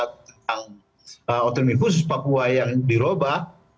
tentang otonomi khusus papua yang diroba